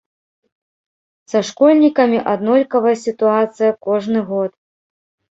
Са школьнікамі аднолькавая сітуацыя кожны год.